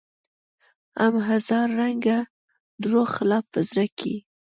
هم هزار رنګه دروغ خلاف په زړه کې